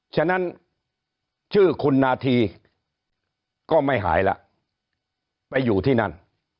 ฉะนั้นชื่อคุณนาธีก็ไม่หายแล้วไปอยู่ที่นั่น